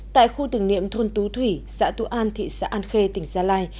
tại khu tưởng niệm thôn tú thủy xã tú an thị xã an khê tỉnh gia lai